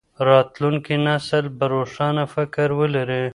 راتلونکی نسل به روښانه فکر ولري.